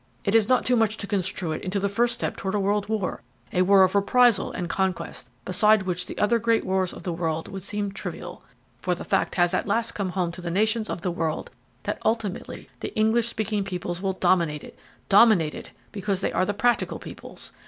It is not too much to construe it into the first step toward a world war a war of reprisal and conquest beside which the other great wars of the world would seem trivial. For the fact has at last come home to the nations of the world that ultimately the English speaking peoples will dominate it dominate it, because they are the practical peoples.